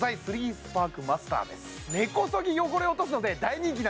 根こそぎ汚れを落とすので大人気なんです